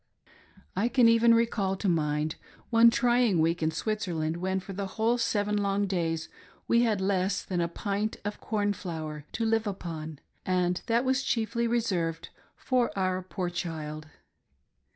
I can even recall to mind one trying week in Switzerland, when, for the whole seven long days, we had less than a pint of corn flour to live upon, and that was chiefly reserved for our poor child.